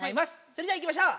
それじゃいきましょう！